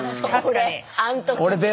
俺あん時。